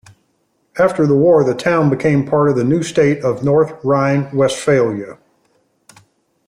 After the war the town became part of the new state of North Rhine-Westphalia.